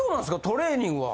トレーニングは。